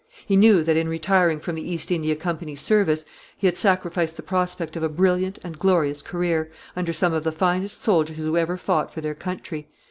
He knew that, in retiring from the East India Company's service, he had sacrificed the prospect of a brilliant and glorious career, under some of the finest soldiers who ever fought for their country.